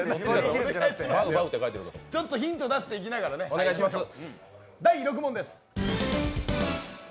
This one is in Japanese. ちょっとヒント出していきながらいきましょう。